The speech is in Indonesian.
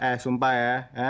eh sumpah ya